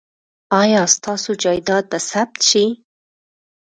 ایا ستاسو جایداد به ثبت شي؟